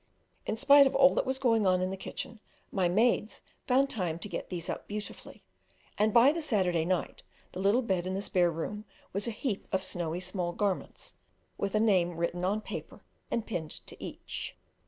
In spite of all that was going on in the kitchen my maids found time to get these up most beautifully, and by the Saturday night the little bed in the spare room was a heap of snowy small garments, with a name written on paper and pinned to each.